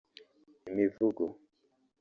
imivugo